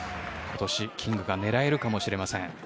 今年キングが狙えるかもしれません。